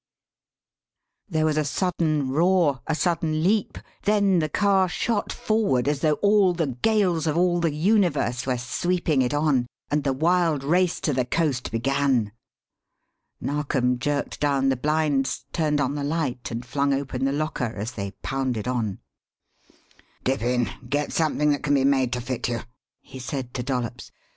There was a sudden roar, a sudden leap; then the car shot forward as though all the gales of all the universe were sweeping it on, and the wild race to the coast began. Narkom jerked down the blinds, turned on the light, and flung open the locker, as they pounded on. "Dip in. Get something that can be made to fit you," he said to Dollops.